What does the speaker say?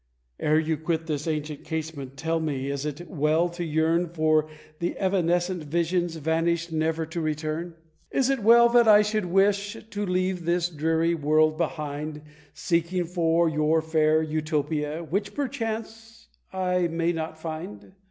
"Ere you quit this ancient casement, tell me, is it well to yearn For the evanescent visions, vanished never to return? Is it well that I should with to leave this dreary world behind, Seeking for your fair Utopia, which perchance I may not find?